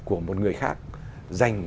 của một người khác dành